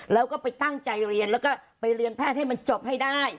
แล้วก็ไปตั้งใจเรียนแล้วก็ไปเรียนแพทย์ให้มันจบให้ได้